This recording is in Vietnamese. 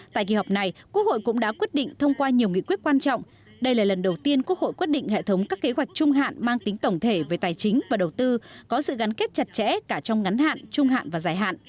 tại kỳ họp này quốc hội cũng đã quyết định thông qua nhiều nghị quyết quan trọng đây là lần đầu tiên quốc hội quyết định hệ thống các kế hoạch trung hạn mang tính tổng thể về tài chính và đầu tư có sự gắn kết chặt chẽ cả trong ngắn hạn trung hạn và dài hạn